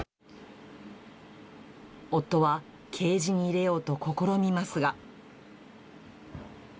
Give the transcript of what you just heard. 夫は、ケージに入れようと試みますが。